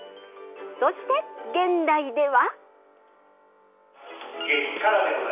そして現代では。